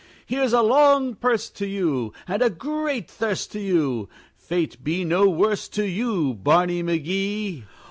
Here's a long purse to you, And a great thirst to you! Fate be no worse to you, Barney McGee!